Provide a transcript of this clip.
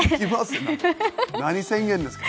何宣言ですか？